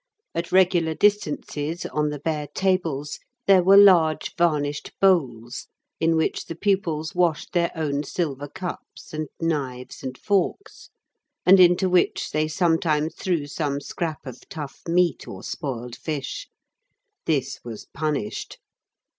At regular distances, on the bare tables, there were large, varnished bowls in which the pupils washed their own silver cups and knives and forks, and into which they sometimes threw some scrap of tough meat or spoiled fish; this was punished.